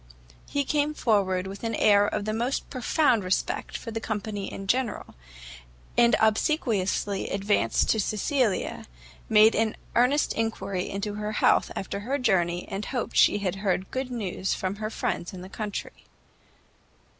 He came forward with an air of the most profound respect for the company in general, and obsequiously advancing to Cecilia, made an earnest enquiry into her health after her journey, and hoped she had heard good news from her friends in the country.